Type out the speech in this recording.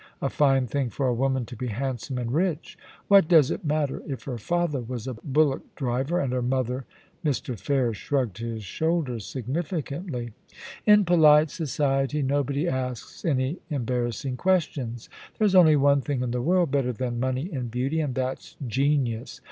A fine thing for a woman to be handsome and rich. What does it matter if her father was a bullock driver, and her mother —' Mr. Ferris shrugged his shoulders significantly. * In polite society nobody asks any embarrassing questions. There's only one thing in the world better than money and beauty, and that's genius.